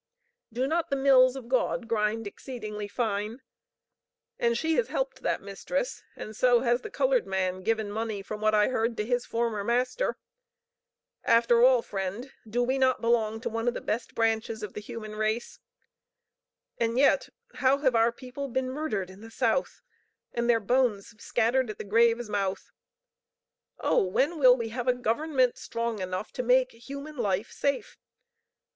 "Do not the mills of God grind exceedingly fine? And she has helped that mistress, and so has the colored man given money, from what I heard, to his former master. After all, friend, do we not belong to one of the best branches of the human race? And yet, how have our people been murdered in the South, and their bones scattered at the grave's mouth! Oh, when will we have a government strong enough to make human life safe?